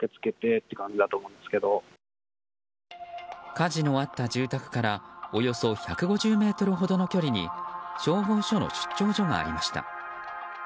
火事のあった住宅からおよそ１５０ｍほどの距離に消防署の出張所がありました。